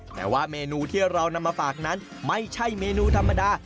แต่ว่าเมนูที่เรานำมาฝากนั้นไม่ใช่เมนูธรรมดา